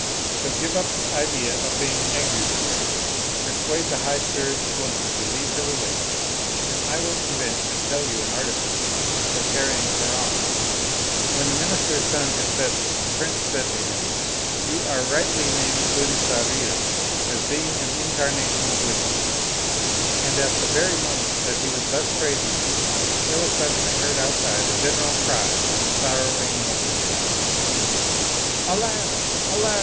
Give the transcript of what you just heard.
So give up the idea of being angry with her, persuade the high spirited woman to leave her relations, and I will invent and tell you an artifice for carrying her off." When the minister's son had said this, the prince said to him, " You are rightly named Buddhisarira as being an in carnation of wisdom "; and at the very moment that he was thus praising him, there was suddenly heard outside a gen eral cry from the sorrowing multitude, "Alas! Alas!